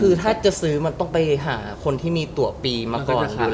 คือถ้าจะซื้อมันต้องไปหาคนที่มีตัวปีมาก่อนอยู่แล้วครับ